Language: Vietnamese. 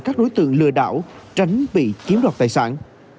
các đối tượng lừa đảo tránh bị kiếm đọc tài sản